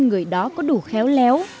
người đó có đủ khéo léo